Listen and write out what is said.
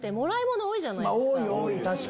多い多い確かにね。